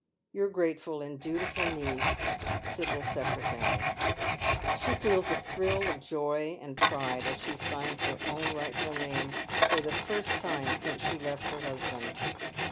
*' Your grateful and dutiful niece, " Sibyl Secretan." She feels a thrill of joy and pride as she signs her own right ful name for the first time since she left her husband.